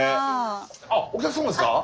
あっお客様ですか？